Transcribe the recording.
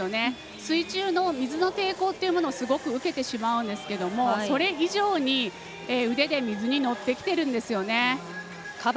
水中の水の抵抗っていうのをすごく受けてしまうんですけれどもそれ以上に、腕で水に乗ってきているんですね。